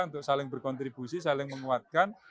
untuk saling berkontribusi saling menguatkan